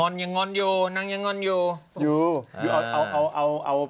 เล่นด้วยจัดแบบสุดลิ้ด